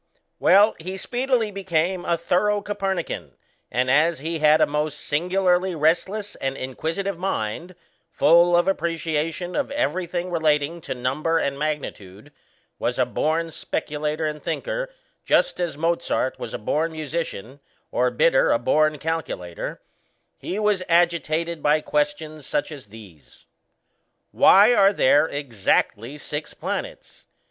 Well, he speedily became a thorough Copernican, and as he had a most singularly restless and inquisitive mind, full of appreciation of everything relating to number and magnitude was a born speculator and thinker just as Mozart was a born musician, or Bidder a born calculator he was agitated by questions such as these: Why are there exactly six planets?